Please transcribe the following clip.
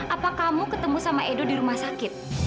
apa kamu ketemu sama edo di rumah sakit